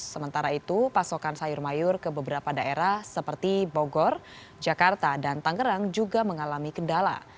sementara itu pasokan sayur mayur ke beberapa daerah seperti bogor jakarta dan tangerang juga mengalami kendala